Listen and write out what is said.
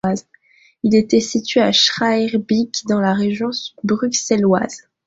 Elle était située à Schaerbeek, dans la Région bruxelloise.